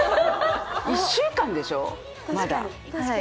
１週間でしょ、まだ。